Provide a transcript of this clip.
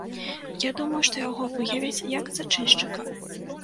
Я думаю, што яго выявяць, як зачыншчыка.